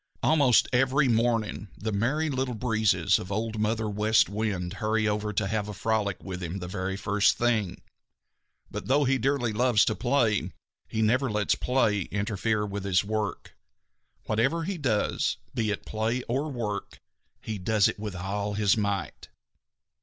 Almost every morning the Merry Little Breezes of Old Mother West Wind hurry over to have a frolic with him the very first thing. But though he dearly loves to play, he never lets play interfere with work. Whatever he does, be it play or work, he does with all his might.